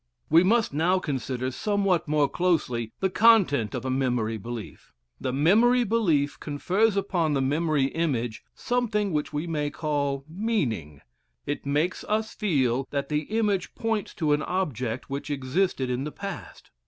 We must now consider somewhat more closely the content of a memory belief. The memory belief confers upon the memory image something which we may call "meaning;" it makes us feel that the image points to an object which existed in the past.